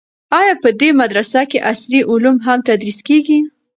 آیا په دې مدرسه کې عصري علوم هم تدریس کیږي؟